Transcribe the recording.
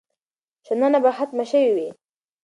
شننه به ختمه شوې وي.